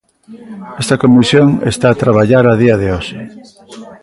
Esta comisión está a traballar a día de hoxe.